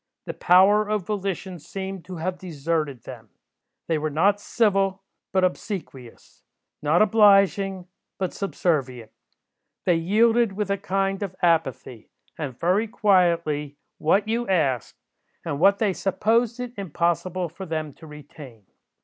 The power of volition seemed to have deserted them. They were not civil, but obsequious; not obliging, but subservient. They yielded with a kind of apathy, and very quietly, what you asked, and what they supposed it impossible for them to retain.